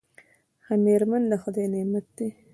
ښه میرمن د خدای نعمت دی.